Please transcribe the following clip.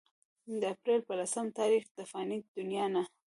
د اپريل پۀ لسم تاريخ د فاني دنيا نه